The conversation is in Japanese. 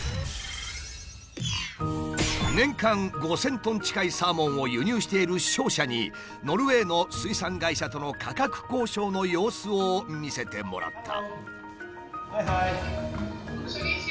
年間５，０００ｔ近いサーモンを輸入している商社にノルウェーの水産会社との価格交渉の様子を見せてもらった。